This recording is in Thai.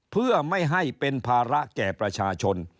เพื่อไม่ให้เป็นภาระแก่ประชาชน